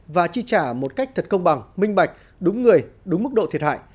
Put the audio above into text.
và chi trả một cách thật công bằng minh bạch đúng người đúng mức độ thiệt hại